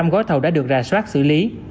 bảy mươi năm gói thầu đã được ra soát xử lý